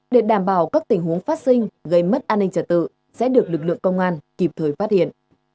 để đảm bảo các tình huống phát sinh gây mất an ninh trả tự sẽ được lực lượng công an kịp thời phát hiện